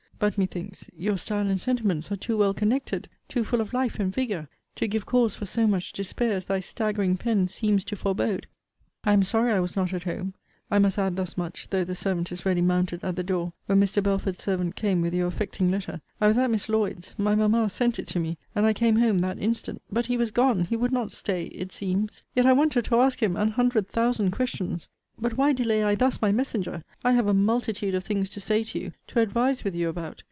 But methinks, your style and sentiments are too well connected, too full of life and vigour, to give cause for so much despair as thy staggering pen seems to forbode. I am sorry I was not at home, [I must add thus much, though the servant is ready mounted at the door,] when Mr. Belford's servant came with your affecting letter. I was at Miss Lloyd's. My mamma sent it to me and I came home that instant. But he was gone: he would not stay, it seems. Yet I wanted to ask him an hundred thousand questions. But why delay I thus my messenger? I have a multitude of things to say to you to advise with you about!